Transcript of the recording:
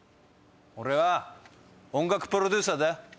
俺は音楽プロデューサーだよ。